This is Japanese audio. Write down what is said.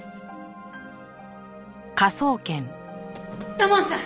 土門さん！